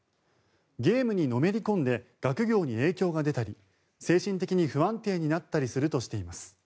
ゲームにのめりこんで学業に影響が出たり精神的に不安定になったりするとしています。